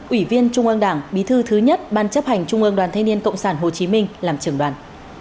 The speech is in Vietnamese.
ủy viên trung ương đảng bí thư thứ nhất ban chấp hành trung ương đoàn thanh niên cộng sản hồ chí minh làm trưởng đoàn